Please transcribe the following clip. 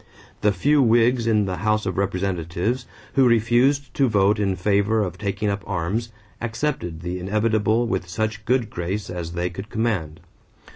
The few Whigs in the House of Representatives, who refused to vote in favor of taking up arms, accepted the inevitable with such good grace as they could command.